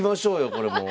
これもう。